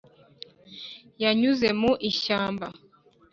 yanyuze mu ishyamba